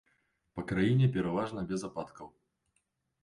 Па краіне пераважна без ападкаў.